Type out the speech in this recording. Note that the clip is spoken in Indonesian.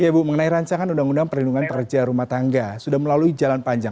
ya bu mengenai rancangan undang undang perlindungan pekerja rumah tangga sudah melalui jalan panjang